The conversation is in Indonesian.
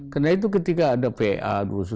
karena itu ketika ada pa dua ratus dua belas